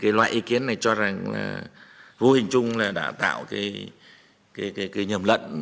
cái loại ý kiến này cho rằng là vô hình chung là đã tạo cái nhầm lẫn